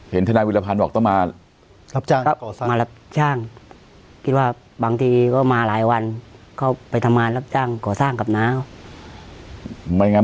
เห็นทนาวิทยาลัวพรรณบอกต้องมา